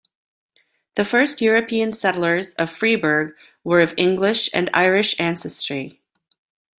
The first European settlers of Freeburg were of English and Irish ancestry.